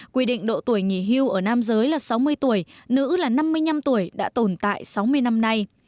quy định độ tuổi nghỉ hưu ở nam giới là sáu mươi tuổi nữ là năm mươi năm tuổi đã tồn tại sáu mươi năm nay